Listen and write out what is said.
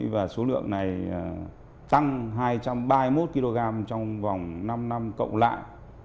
và số lượng này tăng hai trăm ba mươi một kg trong vòng năm năm cộng lại